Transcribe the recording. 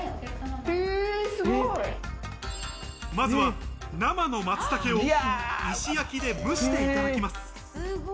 まずは生の松茸を石焼きで蒸していただきます。